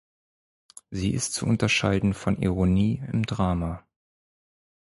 Sie ist zu unterscheiden von Ironie im Drama.